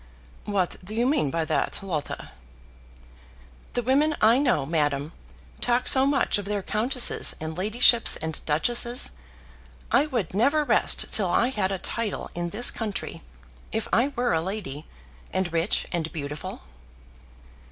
"What do you mean by that, Lotta?" "The women I know, madame, talk so much of their countesses, and ladyships, and duchesses. I would never rest till I had a title in this country, if I were a lady, and rich and beautiful."